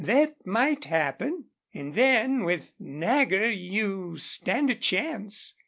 Thet might happen. An' then, with Nagger, you stand a chance.